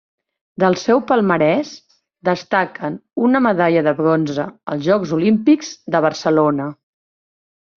Del seu palmarès destaquen una medalla de bronze als Jocs Olímpics de Barcelona.